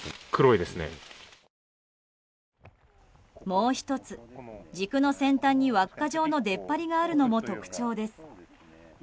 もう１つ軸の先端に輪っか状の出っ張りがあるのも特徴です。